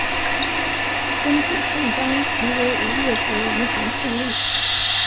曾祖盛珰曾为吴越国余杭县令。